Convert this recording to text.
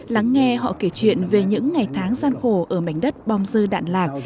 lắng nghe họ kể chuyện về những ngày tháng gian khổ ở mảnh đất bong dư đạn lạc